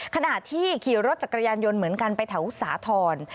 ขณะที่ขี่รถจักรยานยนต์เหมือนกันไปแถวสาธรณ์